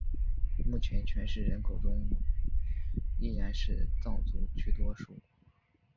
目前全市人口中依然是藏族居多数。